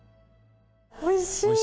おいしい！